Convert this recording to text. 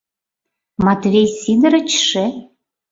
Матвей Сидырычше?